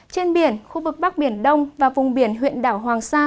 trên biển khu vực bắc biển đông và vùng biển huyện đảo hoàng sa